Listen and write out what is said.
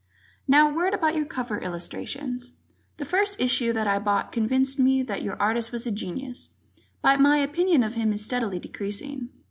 Now a word about your cover illustrations. The first issue that I bought convinced me that your artist was a genius, but my opinion of him is steadily decreasing.